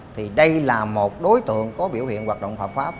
thì đây là một đối tượng có biểu hiện hoạt động hợp pháp